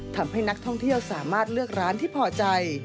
ทำให้นักท่องเที่ยวสามารถเลือกร้านที่พอใจ